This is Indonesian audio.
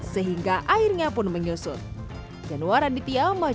sehingga airnya pun menyusut